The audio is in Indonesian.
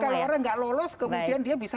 karena orang nggak lolos kemudian dia bisa